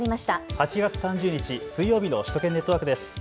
８月３０日水曜日の首都圏ネットワークです。